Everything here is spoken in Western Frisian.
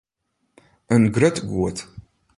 In grut goed.